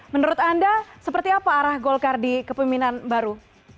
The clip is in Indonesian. menurut anda seperti apa arah golkar di kepemimpinan baru